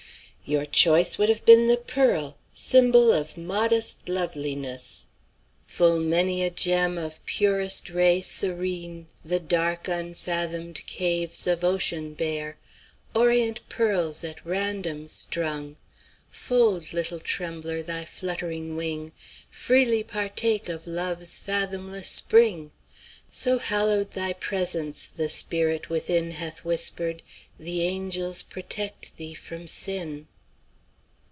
"Your choice would have been the pearl, symbol of modest loveliness. 'Full many a gem of purest ray serene The dark, unfathomed caves of ocean bear;' 'Orient pearls at random strung;' 'Fold, little trembler, thy fluttering wing, Freely partake of love's fathomless spring; So hallowed thy presence, the spirit within Hath whispered, "The angels protect thee from sin."'"